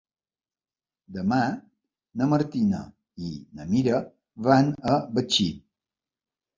Demà na Martina i na Mira van a Betxí.